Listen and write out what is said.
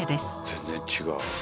全然違う。